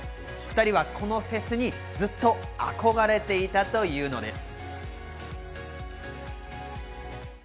２人はこのフェスにずっと憧れていたというのです。